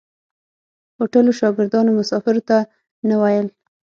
هوټلو شاګردانو مسافرو ته نه ویل.